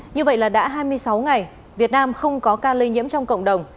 như vậy là đã hai mươi sáu ngày việt nam không có ca lây nhiễm trong cộng đồng